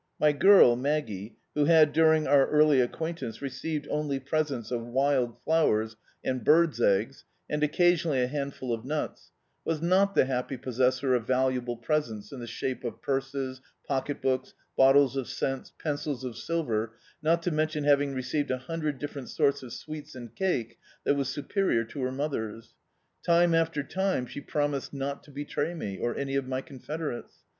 My §^rl, Maggie, who had, during our early acquaintance, received only presents of wild flowers [71 D,i.,.db, Google The Autobiography of a Super Tramp aod birds' ^gs, and occasionally a handful of nuts, was not the happy possessor of valuable presents in the shape of purses, pocket books, bottles of scents, pencils of silver, not to mention having re ceived a hundred different sorts of sweets and cake that was superior to her mother's. Time after time she promised not to betray me; or any of my con federates.